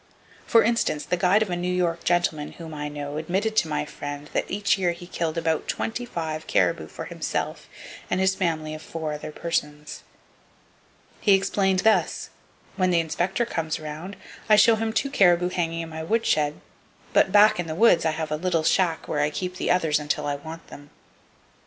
For instance, the guide of a New York gentleman whom I know admitted to my friend that each year he killed "about 25" caribou for himself and his family of four other persons. He explained thus: "When the inspector comes around, I show him two caribou hanging in my woodshed, but back in the woods I have a little shack where I keep the others until I want them."